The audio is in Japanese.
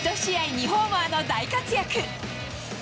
２ホーマーの大活躍。